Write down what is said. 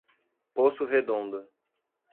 Poço Redondo